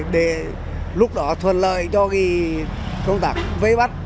để lúc đó thuận lợi cho công tác vây bắt